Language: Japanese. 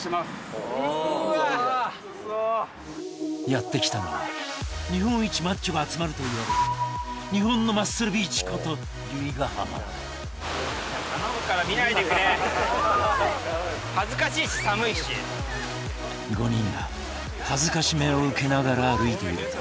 やってきたのは日本一マッチョが集まるといわれる日本のマッスルビーチこと由比ヶ浜５人が辱めを受けながら歩いていると